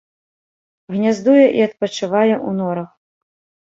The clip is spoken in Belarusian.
Гняздуе і адпачывае ў норах.